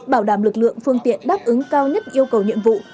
bảo đảm lực lượng phương tiện đáp ứng cao nhất yêu cầu nhiệm vụ